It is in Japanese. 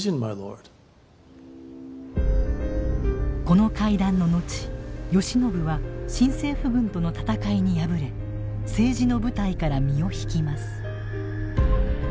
この会談の後慶喜は新政府軍との戦いに敗れ政治の舞台から身を引きます。